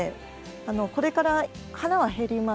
これから花は減ります。